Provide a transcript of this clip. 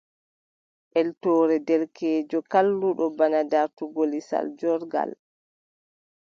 Eltoore derkeejo kalluɗo bana dartungo lisal joorngal.